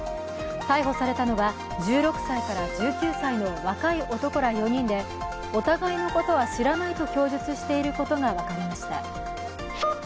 逮捕されたのは１６歳から１９歳の若い男ら４人で、お互いのことは知らないと供述していることが分かりました。